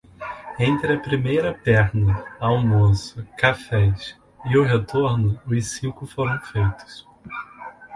Entre a primeira perna, almoço, cafés e o retorno os cinco foram feitos.